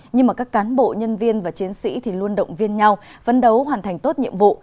nhưng các cán bộ nhân viên và chiến sĩ luôn động viên nhau vấn đấu hoàn thành tốt nhiệm vụ